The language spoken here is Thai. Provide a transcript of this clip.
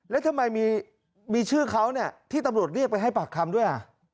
แล้วทำไมมีชื่อเขาที่ตำรวจเรียกไปให้ปากคำด้วย